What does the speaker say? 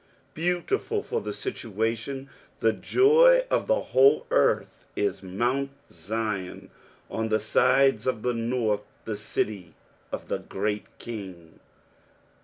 2 Beautiful for situation, the joy of the whole earth, is mount Zion, on the sides of the north, the city of the great King.